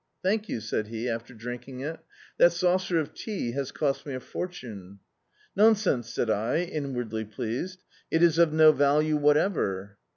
"Thank you," s£ud he, after drinking it — "that saucer of tea has cost me a sovereign !" "Nonsense," said 1, inwardly pleased, "it is of no value whatever."